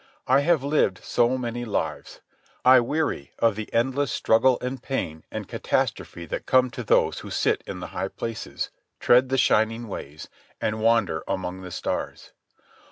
I have lived so many lives. I weary of the endless struggle and pain and catastrophe that come to those who sit in the high places, tread the shining ways, and wander among the stars.